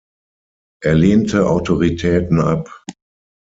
Er lehnte Autoritäten ab.